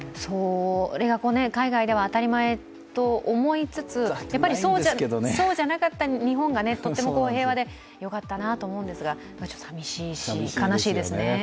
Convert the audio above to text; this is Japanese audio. それが海外では当たり前と思いつつそうじゃなかった日本がとっても平和でよかったなと思うんですがちょっとさみしいし悲しいですね。